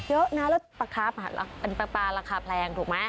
เยอะนะแล้วปลาครับเป็นปลาปลาราคาแพงถูกไหม